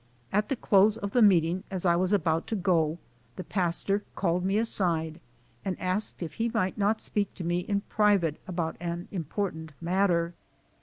At the close of the meeting as I was about to go the pastor called me aside and asked if he might not speak to me in private about an important matter.